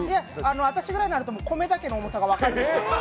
私ぐらいになると米だけの重さが分かる。